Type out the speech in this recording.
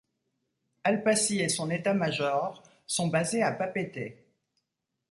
Alpaci et son état-major sont basés à Papeete.